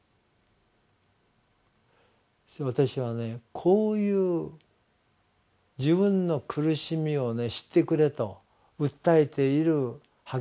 私はねこういう「自分の苦しみを知ってくれ」と訴えている激しい歌がね